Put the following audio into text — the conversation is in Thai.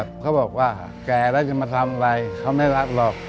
เขาบอกว่าแก่แล้วจะมาทำอะไรเขาไม่รักหรอก